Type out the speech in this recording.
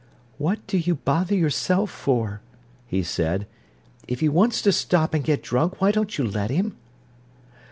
"What do you bother yourself for?" he said. "If he wants to stop and get drunk, why don't you let him?"